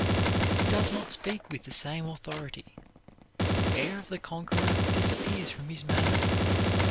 He does not speak with the same authority. The air of the conqueror disappears from his manner.